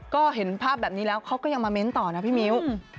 ก็เห็นภาพแบบนี้แล้วเขาก็ยังมาเม้นต่อนะพี่มิ้ว